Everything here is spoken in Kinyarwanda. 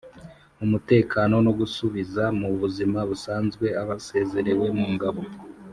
umutekano no gusubiza mu buzima busanzwe abasezerewe mu ngabo